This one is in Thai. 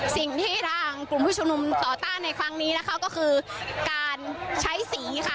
สิ่งที่ทางกลุ่มผู้ชมนุมต่อต้านในครั้งนี้นะคะก็คือการใช้สีค่ะ